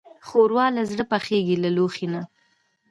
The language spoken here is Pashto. ښوروا له زړه پخېږي، له لوښي نه.